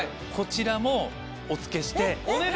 こちらもお付けして。